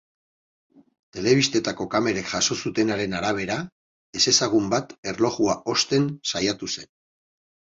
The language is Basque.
Telebistetako kamerek jaso zutenaren arabera, ezezagun bat erlojua osten saiatu zen.